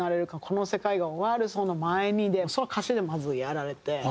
「この世界が終わるその前に」でその歌詞でまずやられて。